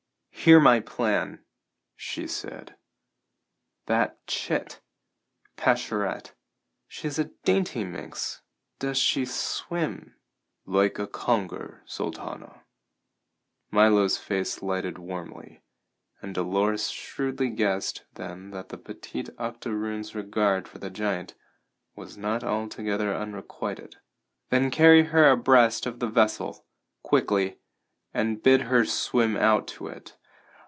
"Hear my plan," she said. "That chit Pascherette she's a dainty minx! Does she swim?" "Like a conger, Sultana!" Milo's face lighted warmly, and Dolores shrewdly guessed then that the petite octoroon's regard for the giant was not altogether unrequited. "Then carry her abreast of the vessel, quickly, and bid her swim out to it.